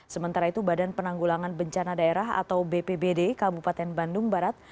sementara itu badan penanggulangan bencana daerah atau bpbd kabupaten bandung barat